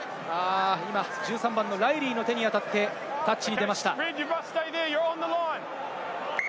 ライリーの手に当たってタッチに出ました。